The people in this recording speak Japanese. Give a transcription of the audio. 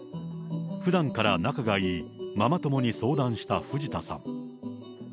ふだんから仲がいいママ友に相談した藤田さん。